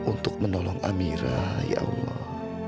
untuk menolong amira ya allah